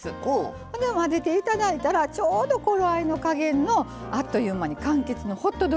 ほんで混ぜて頂いたらちょうど頃合いの加減のあっという間にかんきつのホットドリンクできるんです。